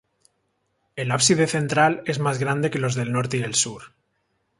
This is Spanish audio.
El ábside central es más grande que los del norte y el sur.